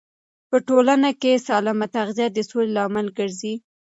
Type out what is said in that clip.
په ټولنه کې سالمه تغذیه د سولې لامل ګرځي.